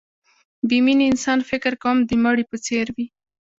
بې مینې انسان فکر کوم د مړي په څېر وي